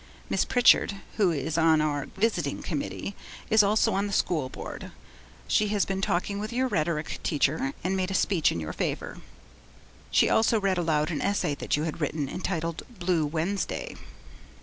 Miss Pritchard, who is on our visiting committee, is also on the school board; she has been talking with your rhetoric teacher, and made a speech in your favour. She also read aloud an essay that you had written entitled, "Blue Wednesday".'